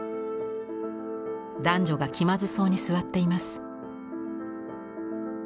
男女が気まずそうに座っています。